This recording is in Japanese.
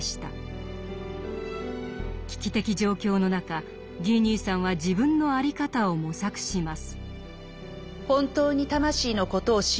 危機的状況の中ギー兄さんは自分の在り方を模索します。